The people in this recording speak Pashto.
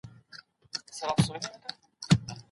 که ليکوال د ټولني ستونزې ونه ليکي بېوزله خلګ به ناخبره پاته سي.